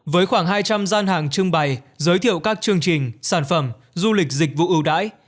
với khoảng hai trăm linh gian hàng trưng bày giới thiệu các chương trình sản phẩm du lịch dịch vụ ưu đãi